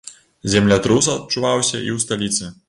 Землятрус адчуваўся і ў сталіцы.